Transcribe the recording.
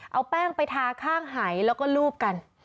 เอาแป้งไปทาข้างหายแล้วก็ลูบกัน